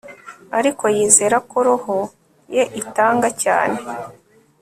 Ariko yizera ko roho ye itanga cyane